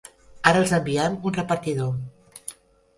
Ara els enviem un repartidor.